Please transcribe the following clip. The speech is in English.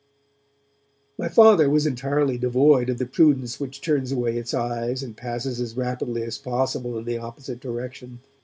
My Father was entirely devoid of the prudence which turns away its eyes and passes as rapidly as possible in the opposite direction.